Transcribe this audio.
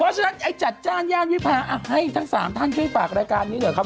เพราะฉะนั้นไอ้จัดจ้านย่านวิพาให้ทั้ง๓ท่านช่วยฝากรายการนี้หน่อยครับ